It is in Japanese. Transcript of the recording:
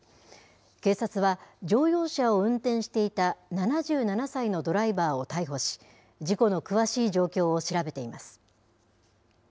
警察は、乗用車を運転していた７７歳のドライバーを逮捕し、事故の詳しい状況を調べています。